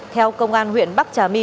theo công an huyện bắc trà my